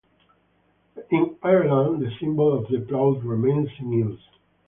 In Ireland, the symbol of the plough remains in use.